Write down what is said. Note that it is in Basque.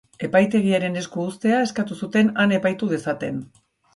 Epaitegiaren esku uztea eskatu zuten, han epaitu dezaten.